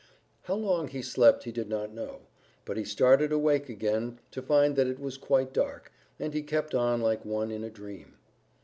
How long he slept he did not know, but he started awake again to find that it was quite dark, and he kept on like one in a dream.